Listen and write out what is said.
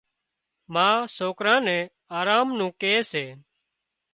ما سوڪران نين آرام نُون ڪي سي